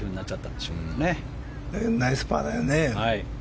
でもナイスパーだよね。